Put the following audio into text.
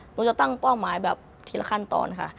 หนูจะตั้งเป้าหมายแบบทีละขั้นตอนค่ะ